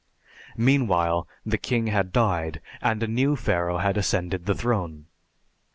Meanwhile the king had died, and a new Pharaoh had ascended the throne.